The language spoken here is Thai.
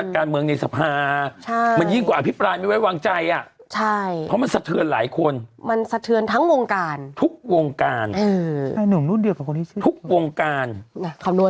การเออใช่หนึ่งรูปเดียวกับคนที่ชื่อทุกวงการอ่ะคำนวณ